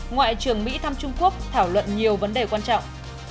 ngoại trưởng mỹ thăm trung quốc thảo luận nhiều vấn đề quan trọng